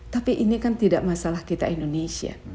tapi ini kan tidak masalah kita indonesia